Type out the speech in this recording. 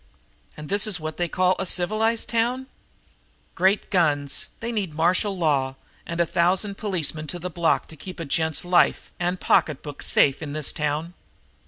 And this is what they call a civilized town? Great guns, they need martial law and a thousand policemen to the block to keep a gent's life and pocketbook safe in this town!